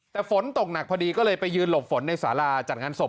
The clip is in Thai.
แต่ฝนตกหนักพอดีก็เลยไปยืนหลบฝนในสาราจัดงานศพ